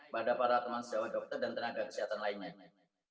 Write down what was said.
pada para teman sejawat dokter dan tenaga kesehatan lainnya